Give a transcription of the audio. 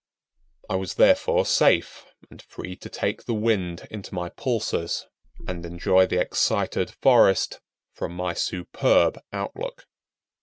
I was therefore safe, and free to take the wind into my pulses and enjoy the excited forest from my superb outlook.